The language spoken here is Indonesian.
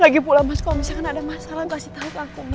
lagi pulang mas kalau misalkan ada masalah kasih tau ke aku mas